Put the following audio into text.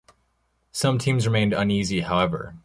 Some teams remained uneasy, however.